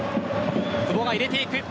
久保が入れていく。